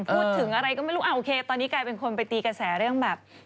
พูดถึงอะไรก็ไม่รู้โอเคตอนนี้กลายเป็นคนไปตีกระแสเรื่องแบบ